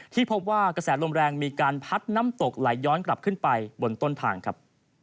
ที่พบว่ากระแสลมแรงมีการพัดน้ำตกไหลย้อนกลับขึ้นไปบนต้นทางครับ